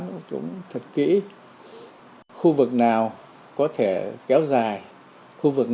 những tuổi nhớ poner giữ